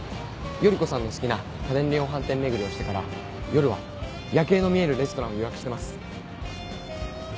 依子さんの好きな家電量販店巡りをしてから夜は夜景の見えるレストランを予約してます。